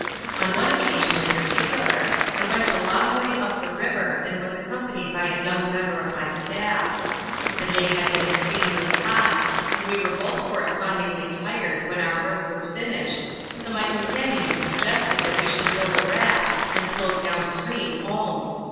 On one occasion in particular, I went a long way up the river and was accompanied by a young member of my staff. The day had been exceedingly hot and we were both correspondingly tired when our work was finished, so my companion suggested that we should build a raft and float down stream home.